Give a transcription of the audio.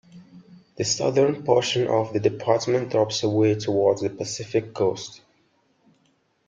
The southern portion of the department drops away towards the Pacific coast.